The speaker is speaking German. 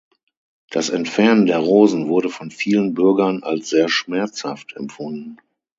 Das Entfernen der Rosen wurde von vielen Bürgern als sehr schmerzhaft empfunden.